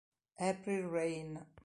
April Rain